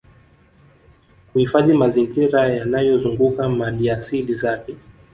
Kuhifadhi mazingira yanayozunguka maliasili zake